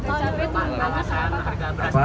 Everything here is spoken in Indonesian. pak harga jalur itu berapa